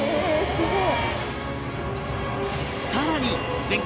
すごい！